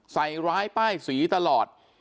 ใส่ร้ายป้ายสีตลอด